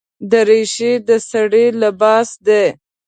دریشي د سړي لباس دی.